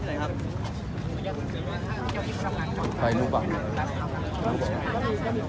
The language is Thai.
ที่ไหนครับปลายลูกบัง